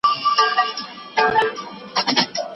میلاټونین د بې خوبۍ پر وخت مشهور بشپړونکی دی.